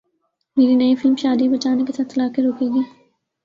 میری نئی فلم شادیاں بچانے کے ساتھ طلاقیں روکے گی